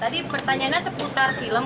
tadi pertanyaannya seputar film